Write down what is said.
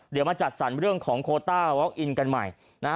เดี๋ยวมาจัดสรรเรื่องของโคต้าวอคอินกันใหม่